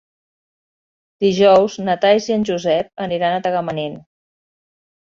Dijous na Thaís i en Josep aniran a Tagamanent.